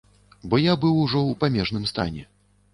Бо я быў ужо ў памежным стане.